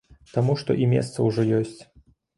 Таму што і месца ўжо ёсць.